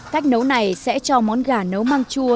cách nấu này sẽ cho món gà nấu mang chua